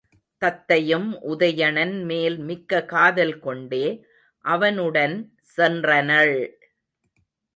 தத்தையும் உதயணன்மேல் மிக்க காதல்கொண்டே அவனுடன் சென்றனள்.